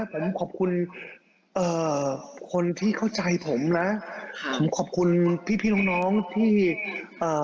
ผมขอบคุณเอ่อคนที่เข้าใจผมนะค่ะผมขอบคุณพี่พี่น้องน้องที่เอ่อ